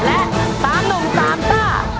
และ๓นุ่ม๓ก็